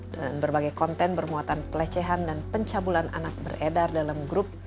berbagai konten bermuatan pelecehan dan pencabulan anak beredar dalam grup